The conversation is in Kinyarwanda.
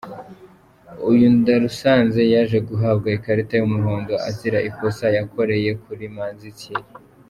Uyu ndarusanze yaje guhabwa ikarita y'umuhondo azira ikosa yakoreye kuri Manzi Thierry.